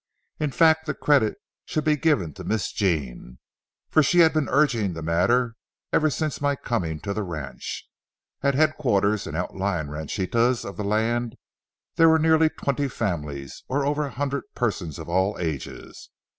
In fact, the credit should be given to Miss Jean, for she had been urging the matter ever since my coming to the ranch. At headquarters and outlying ranchitas on the land, there were nearly twenty families, or over a hundred persons of all ages.